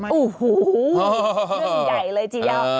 โอ้โหเรื่องใหญ่เลยจริงเออ